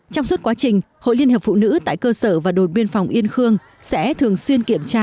trong suốt quá trình hội liên hiệp phụ nữ tại cơ sở và đồn biên phòng yên khương sẽ thường xuyên kiểm tra